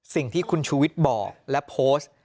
สิ่งที่คุณชูวิทย์บอกและโพสต์